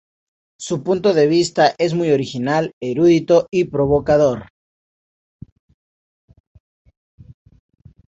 Su punto de vista es muy original, erudito y provocador.